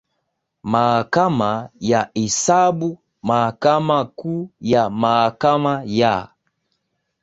Mahakama ya Hesabu Mahakama Kuu ya Mahakama ya